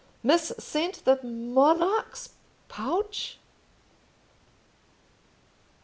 Mis sent the Monarch's pouch!"